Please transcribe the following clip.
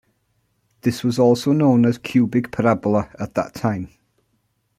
This was also known as cubic parabola at that time.